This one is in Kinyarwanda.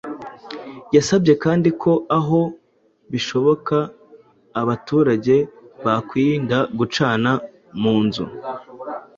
Yasabye kandi ko aho bishoboka abaturage bakwirinda gucana mu nzu